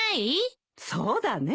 そうだね。